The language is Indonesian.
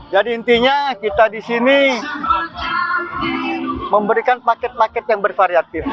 jadi intinya kita di sini memberikan paket paket yang bervariatif